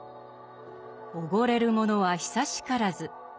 「おごれるものは久しからず」。